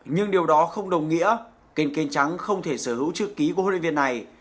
nhưng điều đó không đồng nghĩa kênh trắng không thể sở hữu chữ ký của huấn luyện viên này